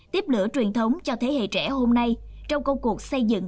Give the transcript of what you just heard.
tiếp lửa truyền thống cho thế hệ trẻ hôm nay trong công cuộc xây dựng